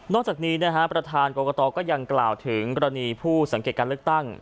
จากนี้ประธานกรกตก็ยังกล่าวถึงกรณีผู้สังเกตการเลือกตั้ง